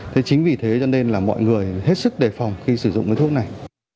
thế chính vì thế cho nên là mọi người hết sức đề phòng khi sử dụng cái thuốc này